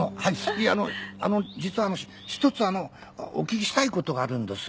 いえあのあの実は一つあのお聞きしたいことがあるんどす。